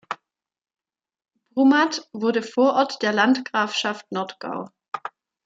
Brumath wurde Vorort der Landgrafschaft Nordgau.